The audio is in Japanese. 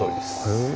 へえ。